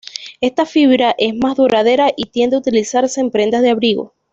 Esta fibra es más duradera y tiende a utilizarse en prendas de abrigo.